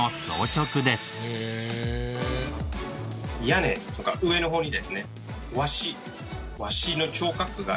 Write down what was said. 屋根というか上の方にですね。